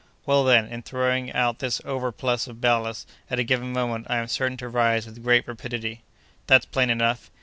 Well, then, in throwing out this overplus of ballast at a given moment, I am certain to rise with great rapidity." "That's plain enough."